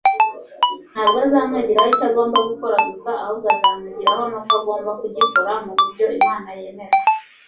ntabwo azamwigiraho icyo agomba gukora gusa ahubwo azamwigiraho n'uko agomba kugikora mu buryo imana yemera